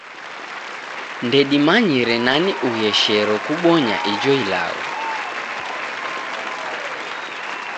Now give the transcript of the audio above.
Ndedimanyire nani ugheshero kubonya ijo ilagho.